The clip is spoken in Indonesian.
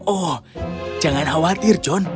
oh jangan khawatir john